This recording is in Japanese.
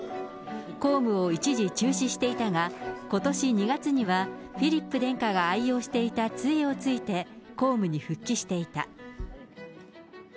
公務を一時中止していたが、ことし２月にはフィリップ殿下が愛用していたつえをついて、公務に復帰していた。